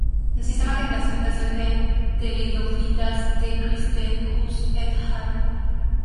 El sistema de clasificación de pteridofitas de Christenhusz et al.